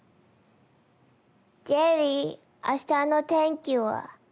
ジェリー明日の天気は？